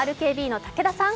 ＲＫＢの武田さん。